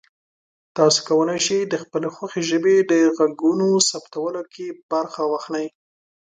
تاسو کولی شئ د خپلې خوښې ژبې د غږونو ثبتولو کې برخه واخلئ.